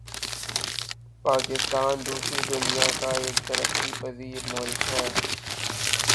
پاکستان دوسری دنیا کا ایک ترقی پزیر ملک ہے